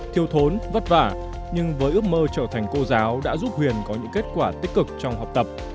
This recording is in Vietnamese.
thiêu thốn vất vả nhưng với ước mơ trở thành cô giáo đã giúp huyền có những kết quả tích cực trong học tập